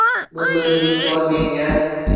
Bu so’zni ilk bor menga